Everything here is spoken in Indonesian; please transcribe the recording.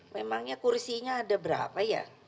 memangnya kursinya ada berapa ya